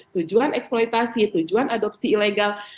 tujuan eksploitasi tujuan adopsi ilegal